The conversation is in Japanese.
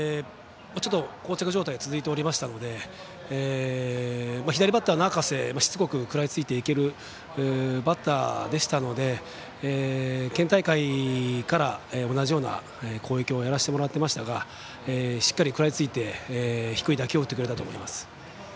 こう着状態が続いておりましたので左バッターの赤瀬はしつこく食らいついていけるバッターでしたので県大会から同じような攻撃をやらせてもらっていましたがしっかり食らいついて低い打球を打ってくれたと思います。